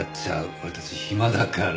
俺たち暇だから。